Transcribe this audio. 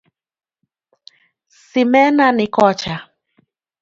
Simena ni kocha.